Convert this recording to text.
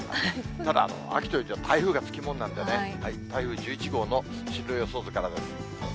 ただ秋というと、台風がつきものなんでね、台風１１号の進路予想図からです。